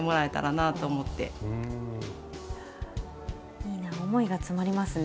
いいな思いが詰まりますね。